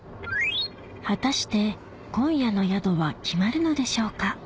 果たして今夜の宿は決まるのでしょうか？